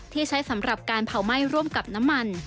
ที่ใช้สำหรับการเผาไหม้ร่วมกับน้ำมัน